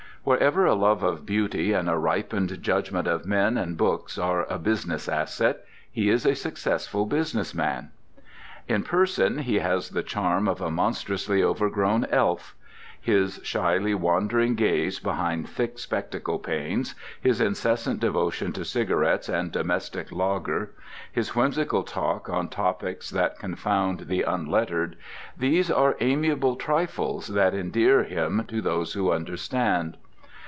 Wherever a love of beauty and a ripened judgment of men and books are a business asset, he is a successful business man. In person, he has the charm of a monstrously overgrown elf. His shyly wandering gaze behind thick spectacle panes, his incessant devotion to cigarettes and domestic lager, his whimsical talk on topics that confound the unlettered—these are amiable trifles that endear him to those who understand.